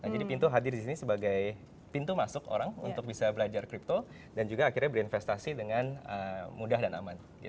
jadi pintu hadir di sini sebagai pintu masuk orang untuk bisa belajar kripto dan juga akhirnya berinvestasi dengan mudah dan aman